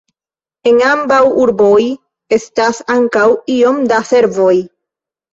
En ambaŭ urboj estas ankaŭ iom da servoj.